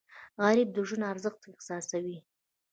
غریب د ژوند ارزښت احساسوي